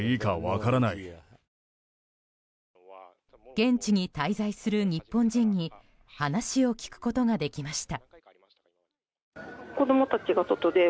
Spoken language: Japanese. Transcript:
現地に滞在する日本人に話を聞くことができました。